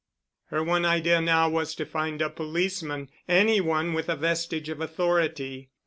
Her one idea now was to find a policeman,—any one with a vestige of authority.